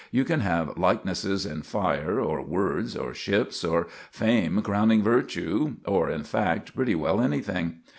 You can have likenesses in fire, or words, or ships, or "Fame crowning Virtue," or, in fact, pretty well anything.